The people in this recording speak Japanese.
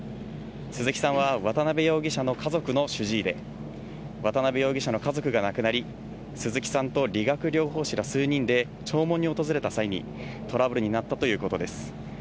鈴木さんは渡辺容疑者の家族の主治医で、渡辺容疑者の家族が亡くなり、鈴木さんと理学療法士ら数人で弔問に訪れた際にトラブルになったということです。